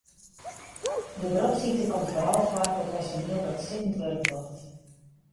De beropssykte komt foaral foar by personiel dat sittend wurk docht.